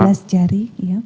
di dua belas jari